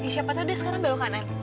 siapa tahu dia sekarang belok kanan